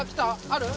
ある？